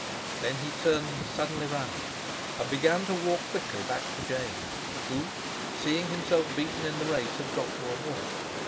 Then he turned suddenly round and began to walk quickly back to James, who, seeing himself beaten in the race, had dropped to a walk.